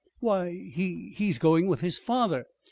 "Why, he he's going with his father."